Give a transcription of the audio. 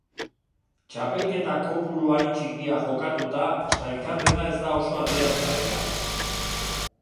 Txapelketa kopuru hain txikia jokatuta sailkapena ez da oso adierazgarria.